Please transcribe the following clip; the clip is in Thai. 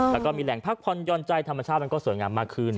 แล้วก็มีแหล่งพักพรยนต์ใจธรรมชาติแล้วก็สวยงามมากขึ้น